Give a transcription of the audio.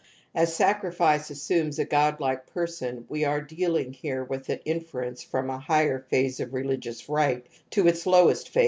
As sacrifice assumes a godUke person we are dealing here with an inference from a higher phase of rehgious rite to its lowest phase in totemism.